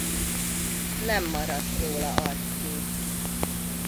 Nem maradt róla arckép.